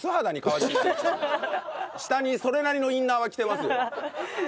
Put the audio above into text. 下にそれなりのインナーは着てますよ。